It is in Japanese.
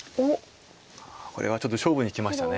これはちょっと勝負にきました。